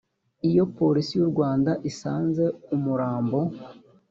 iyo polisi y u rwanda isanze umurambo